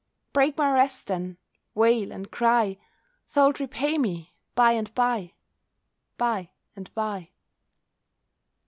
Break my rest, then, wail and cry— Thou'lt repay me by and bye—by and bye."